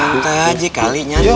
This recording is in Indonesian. nanti aja kali nyantai